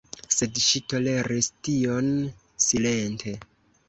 Sed ŝi toleris tion silente.